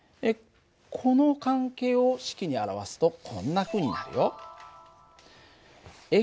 この関係を式に表すとこんなふうになるよ。